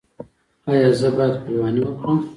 ایا زه باید پلوانی وکړم؟